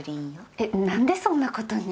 えっなんでそんなことに？